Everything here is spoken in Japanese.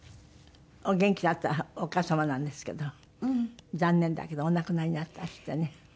お元気だったお母様なんですけど残念だけどお亡くなりになったんですってね。